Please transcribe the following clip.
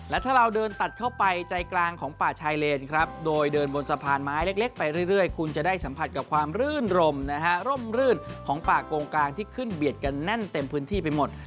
และถ้าเราเดินตัดเข้าไปใจกลางของป่าชายเลนครับโดยเดินบนสะพานไม้เล็กไปเรื่อยคุณจะได้สัมผัสกับความรื่นรมนะฮะร่มรื่นของป่ากงกลางที่ขึ้นเบียดกันแน่นเต็มพื้นที่ไปหมด